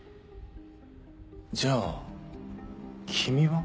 じゃあ君は？